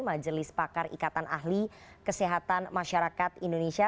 majelis pakar ikatan ahli kesehatan masyarakat indonesia